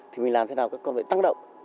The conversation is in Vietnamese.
thì mình làm thế nào các con phải tăng động